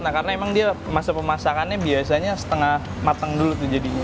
nah karena emang dia masa pemasakannya biasanya setengah matang dulu tuh jadinya